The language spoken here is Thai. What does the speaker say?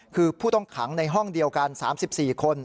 คือผู้ต้องขังในห้องเดียวกัน๓๔คน